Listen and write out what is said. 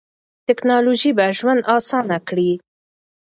ټیکنالوژي به ژوند اسانه کړي.